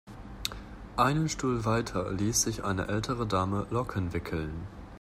Einen Stuhl weiter ließ sich eine ältere Dame Locken wickeln.